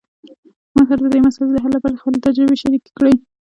ما سره د دې مسئلې د حل لپاره خپلې تجربې شریکي کړئ